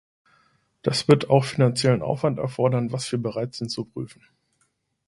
Das wird auch finanziellen Aufwand erfordern, was wir bereit sind zu prüfen.